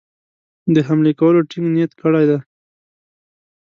د حملې کولو ټینګ نیت کړی دی.